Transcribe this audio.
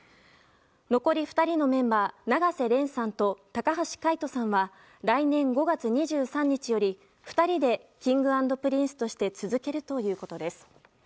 残り２人のメンバー永瀬廉さんと高橋海人さんは来年５月２３日より２人でＫｉｎｇ＆Ｐｒｉｎｃｅとして続けるということです。